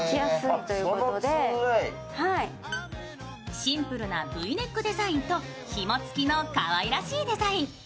シンプルなＶネックデザインとひも付きのかわいらしいデザイン。